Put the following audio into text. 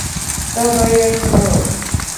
څه به یې کړو؟